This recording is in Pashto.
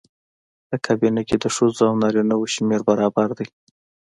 په کابینه کې د ښځو او نارینه وو شمېر برابر دی.